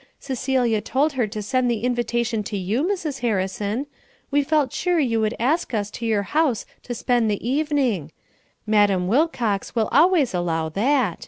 Celia told her to send the invitation to you, Mrs. Harrison. We felt sure you would ask us to your house to spend the evening; Madam Wilcox will always allow that.